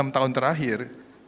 enam tahun terakhir